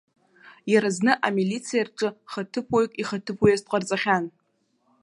Иара зны, амилициа рҿы, хаҭыԥуаҩк ихаҭыԥуаҩыс дҟарҵахьан.